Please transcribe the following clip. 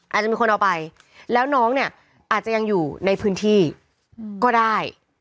อาจจะมีคนเอาไปแล้วน้องเนี่ยอาจจะยังอยู่ในพื้นที่ก็ได้